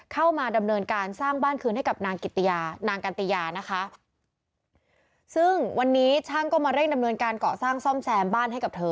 เข้ามาดำเนินการสร้างบ้านคืนให้กับนางกิติยานางกันติยานะคะซึ่งวันนี้ช่างก็มาเร่งดำเนินการเกาะสร้างซ่อมแซมบ้านให้กับเธอ